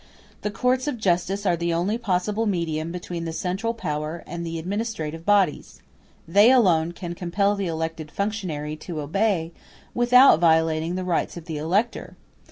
The courts of justice are the only possible medium between the central power and the administrative bodies; they alone can compel the elected functionary to obey, without violating the rights of the elector.